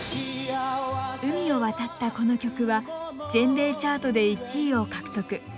海を渡ったこの曲は全米チャートで１位を獲得。